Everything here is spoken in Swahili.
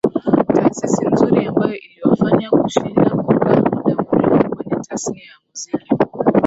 taasisi nzuri ambayo iliwafanya kushinda kukaa muda mrefu kwenye tasnia ya muziki